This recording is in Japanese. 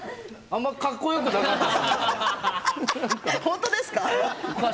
本当ですか。